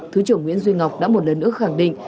thứ trưởng nguyễn duy ngọc đã một lần nữa khẳng định